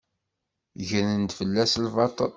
Gren-d fell-as lbaṭel.